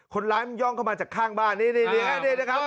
คนร้ายมันย่องเข้ามาจากข้างบ้านนี่นะครับ